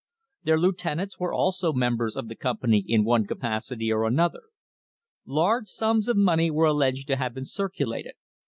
Their lieuten ants were also members of the company in one capacity or another. Large sums of money were alleged to have been cir culated.